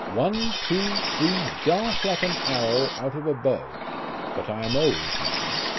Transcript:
One, two, three, dart like an arrow out of a bow. But I am old now.